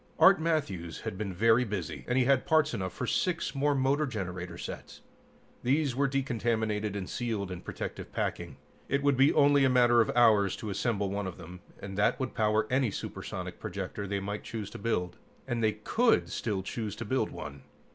Art Matthews had been very busy, and he had parts enough for six more motor generator sets. These were decontaminated and sealed in protective packing. It would be only a matter of hours to assemble one of them, and that would power any supersonic projector they might choose to build. And they could still choose to build one.